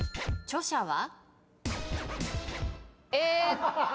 著者は？